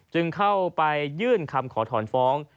จึงเข้าไปยื่นคำขอถอนฟ้อง